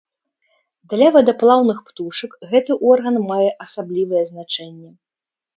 Для вадаплаўных птушак гэты орган мае асаблівае значэнне.